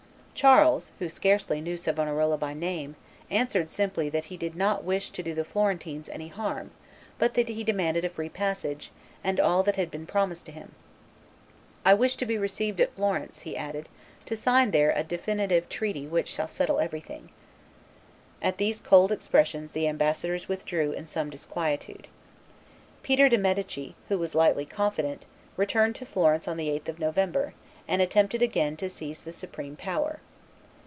Charles, who scarcely knew Savonarola by name, answered simply that he did not wish to do the Florentines any harm, but that he demanded a free passage, and all that had been promised him: "I wish to be received at Florence," he added, "to sign there a definitive treaty which shall settle everything." At these cold expressions the ambassadors withdrew in some disquietude. Peter de' Medici, who was lightly confident, returned to Florence on the 8th of November, and attempted again to seize the supreme power.